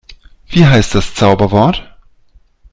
Wie heißt das Zauberwort?